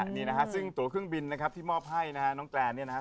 นี่นะฮะซึ่งตัวเครื่องบินนะครับที่มอบให้นะฮะน้องแกรนเนี่ยนะครับ